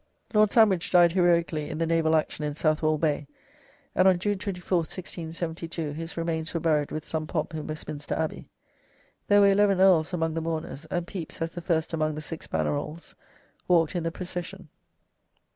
Lord Sandwich died heroically in the naval action in Southwold Bay, and on June 24th,1672, his remains were buried with some pomp in Westminster Abbey. There were eleven earls among the mourners, and Pepys, as the first among "the six Bannerolles," walked in the procession.